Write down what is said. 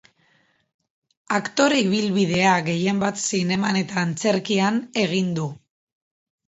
Aktore ibilbidea gehienbat zineman eta antzerkian egin du.